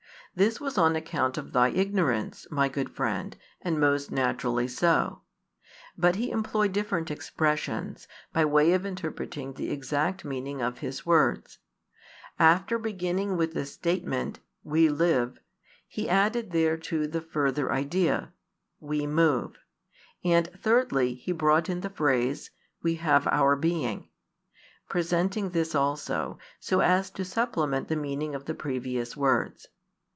This was on account of thy ignorance, my good friend, and most naturally so. But he employed different expressions, by way of interpreting the exact meaning of his words. After beginning with the statement: "We live," he added thereto the further idea: "We move" and thirdly he brought in the phrase: "We have our being;" presenting this also, so as to supplement the meaning of the previous words.